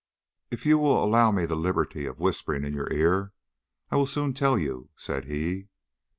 "If you will allow me the liberty of whispering in your ear, I will soon tell you," said he.